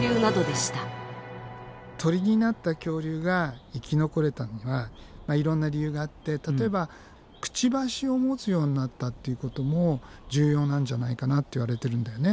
鳥になった恐竜が生き残れたのにはいろんな理由があって例えばくちばしを持つようになったっていうことも重要なんじゃないかなっていわれてるんだよね。